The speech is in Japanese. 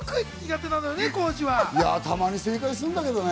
たまに正解すんだけどね。